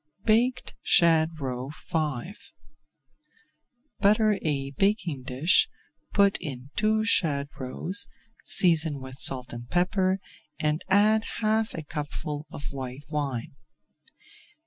BAKED SHAD ROE V Butter a baking dish, put in two shad roes, season with salt and pepper, and add half a cupful of white wine.